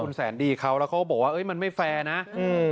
คุณแสนดีเขาแล้วเขาบอกว่าเอ้ยมันไม่แฟร์นะอืม